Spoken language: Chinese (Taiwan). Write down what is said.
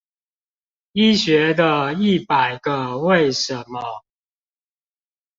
醫學的一百個為什麼